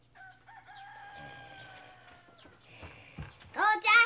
父ちゃん！